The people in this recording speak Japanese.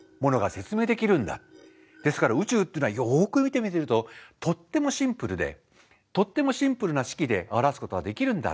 ですから宇宙っていうのはよく見てみるととってもシンプルでとってもシンプルな式で表すことができるんだ。